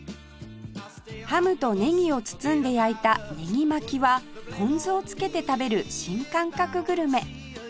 ハムとネギを包んで焼いたねぎまきはポン酢をつけて食べる新感覚グルメ